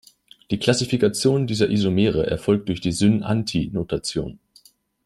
Die Klassifikation dieser Isomere erfolgt durch die "syn"-"anti"-Notation.